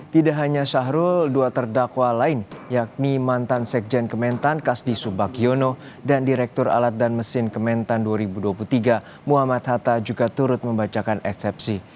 tidak hanya syahrul dua terdakwa lain yakni mantan sekjen kementan kasdi subagiono dan direktur alat dan mesin kementan dua ribu dua puluh tiga muhammad hatta juga turut membacakan eksepsi